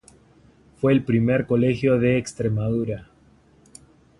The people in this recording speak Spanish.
Fue el primer colegio de Extremadura.